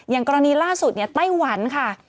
อย่างกรณีล่าสุดเนี่ยไต้หวันค่ะ